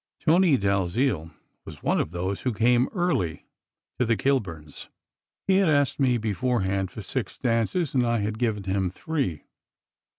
Tony Dalziel was one of those who came early to the Kilburns . He had asked me beforehand for six dances, and I had given him three.